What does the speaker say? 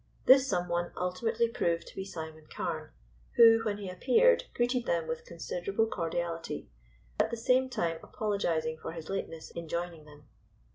This some one ultimately proved to be Simon Carne, who, when he appeared, greeted them with considerable cordiality, at the same time apologizing for his lateness in joining them.